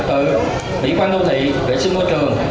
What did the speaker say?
đảm bảo an ninh kịch tự tỉ quan đô thị vệ sinh môi trường